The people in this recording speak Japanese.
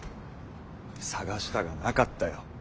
探したがなかったよ。